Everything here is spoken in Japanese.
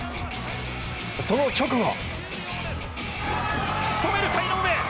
その直後。